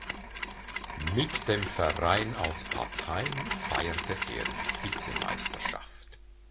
Mit dem Verein aus Pathein feierte er die Vizemeisterschaft.